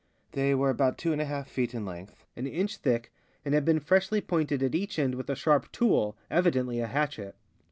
They were about 22 feet in length, an inch thick, and had been freshly pointed at each end with a sharp tool, evidently a hatchet.